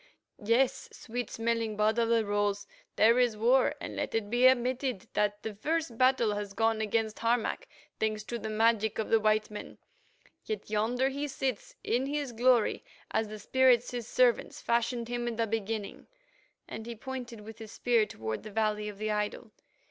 "Yes, sweet smelling Bud of the Rose, there is war, and let it be admitted that the first battle has gone against Harmac, thanks to the magic of the white men. Yet yonder he sits in his glory as the spirits, his servants, fashioned him in the beginning," and he pointed with his spear toward the valley of the idol.